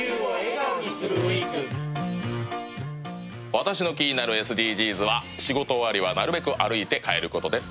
私の気になるＳＤＧｓは仕事終わりはなるべく歩いて帰ることです。